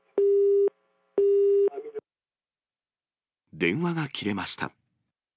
電話が切れました。